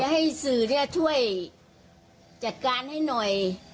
ให้สื่อช่วยจัดการให้หน่อย